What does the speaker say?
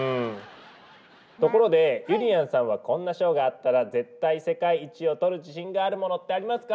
ところでゆりやんさんはこんな賞があったら絶対世界一を取る自信があるものってありますか？